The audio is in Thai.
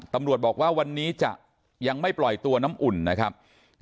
ตำรวจบอกว่าวันนี้จะยังไม่ปล่อยตัวน้ำอุ่นนะครับ